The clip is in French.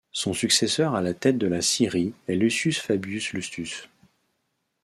Son successeur à la tête de la Syrie est Lucius Fabius Iustus.